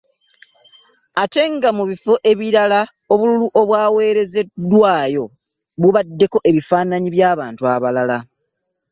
Ate nga mu bifo ebirala obululu obwaweerezeddwayo bubaddeko bifanaanyi bya bantu balala.